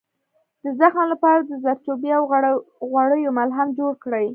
د زخم لپاره د زردچوبې او غوړیو ملهم جوړ کړئ